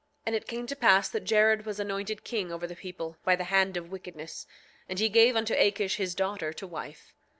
9:4 And it came to pass that Jared was anointed king over the people, by the hand of wickedness; and he gave unto Akish his daughter to wife.